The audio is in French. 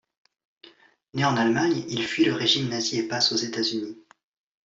Né en Allemagne, il fuit le régime nazi et passe aux États-Unis.